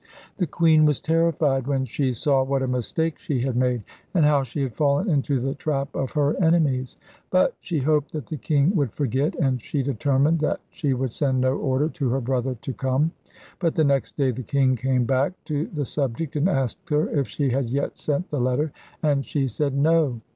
The queen was terrified when she saw what a mistake she had made, and how she had fallen into the trap of her enemies; but she hoped that the king would forget, and she determined that she would send no order to her brother to come. But the next day the king came back to the subject, and asked her if she had yet sent the letter, and she said 'No!'